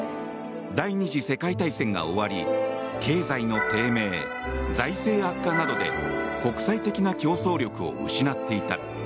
第２次世界大戦が終わり経済の低迷財政悪化などで国際的な競争力を失っていた。